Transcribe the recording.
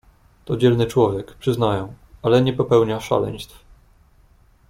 "To dzielny człowiek, przyznaję, ale nie popełnia szaleństw."